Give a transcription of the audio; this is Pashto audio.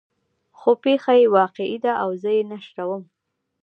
خو پېښه يې واقعي ده او زه یې نشروم.